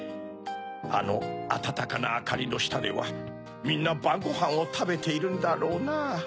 あのあたたかなあかりのしたではみんなばんごはんをたべているんだろうなぁ。